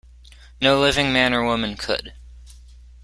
No living man or woman could.